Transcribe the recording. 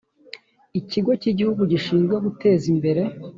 ikigo cy igihugu gishinzwe guteza imbere